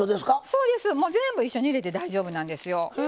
そうですぜんぶ一緒に入れて大丈夫なんですよ。